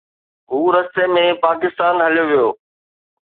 هو رستي ۾ پاڪستان هليو ويو.